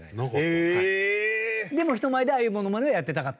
でも人前でああいうモノマネをやっていたかった？